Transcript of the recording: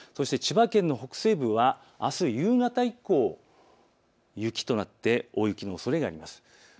千葉県の北西部はあす夕方以降、雪となって大雪のおそれがあります。